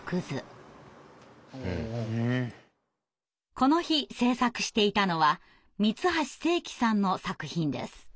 この日制作していたのは三橋精樹さんの作品です。